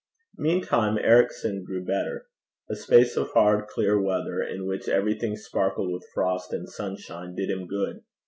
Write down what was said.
Meantime Ericson grew better. A space of hard, clear weather, in which everything sparkled with frost and sunshine, did him good.